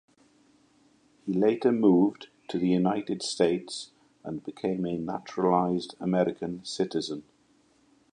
He later moved to the United States, and became a naturalized American citizen.